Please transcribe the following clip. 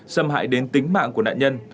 xâm hại đến tính mạng của nạn nhân